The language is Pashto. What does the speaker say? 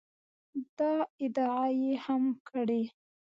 دا ادعا یې هم کړې